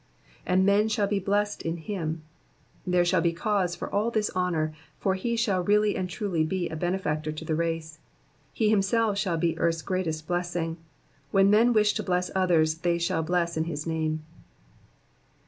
''''And men shall he Messed in him."*^ There shall be cause for all this honour, for he shall really and truly be a benefactor to the race. He himself shall be earth's greatest blessing ; when men wish to bless others they shall bless in his name.